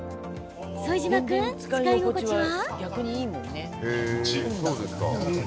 副島君、使い心地は？